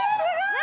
何？